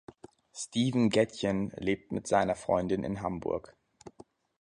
Steven Gätjen lebt mit seiner Freundin in Hamburg.